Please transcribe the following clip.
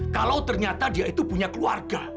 kalau ternyata dia itu punya keluarga